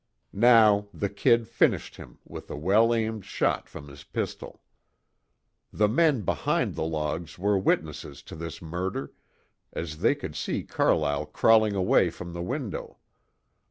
Now the "Kid" finished him with a well aimed shot from his pistol. The men behind the logs were witnesses to this murder, as they could see Carlyle crawling away from the window.